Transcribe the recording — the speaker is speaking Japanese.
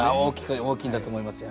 大きいんだと思いますよ。